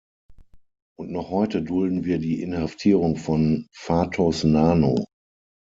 Und noch heute dulden wir die Inhaftierung von Fatos Nano.